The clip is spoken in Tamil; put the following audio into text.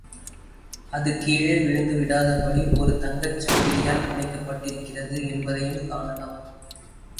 அது, கீழே விழுந்து விடாத படி ஒரு தங்கச் சங்கிலியால் பிணைக்கப் பட்டிருக்கிறது என்பதையும் காணலாம்.